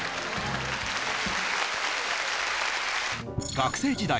学生時代